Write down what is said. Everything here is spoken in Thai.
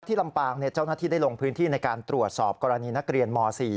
ลำปางเจ้าหน้าที่ได้ลงพื้นที่ในการตรวจสอบกรณีนักเรียนม๔